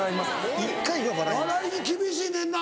笑いに厳しいねんな。